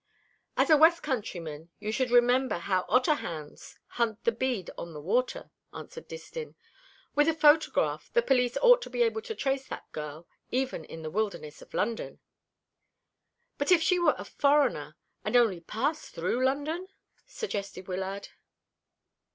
"As a west countryman you should remember how otter hounds hunt the bead on the water," answered Distin. "With a photograph, the police ought to be able to trace that girl even in the wilderness of London." "But if she were a foreigner, and only passed through London?" suggested Wyllard.